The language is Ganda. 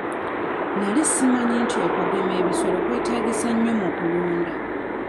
Nali simanyi nti okugema ebisolo kwetaagisa nnyo mu kulunda.